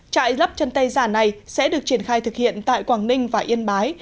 trại lắp chân tay giả này sẽ được triển khai thực hiện tại quảng ninh và yên bái